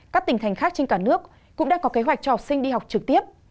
các tỉnh thành khác trên cả nước cũng đã có kế hoạch cho học sinh đi học trực tiếp